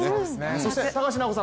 そして高橋尚子さん